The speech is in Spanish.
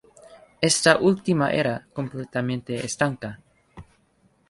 Esta última era completamente estanca.